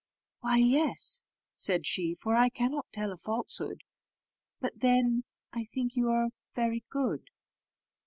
"Why, yes," said she, "for I cannot tell a falsehood; but then I think you are very good."